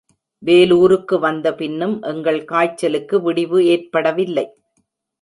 வேலூருக்கு வந்த பின்னும் எங்கள் காய்ச்சலுக்கு விடிவு ஏற்படவில்லை.